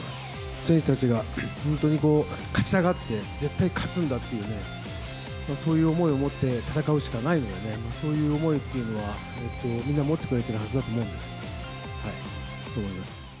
選手たちが本当に勝ちたがって、絶対勝つんだっていうね、そういう思いを持って戦うしかないので、そういう思いというのは、みんな持ってくれてるはずだと思うので、そう思います。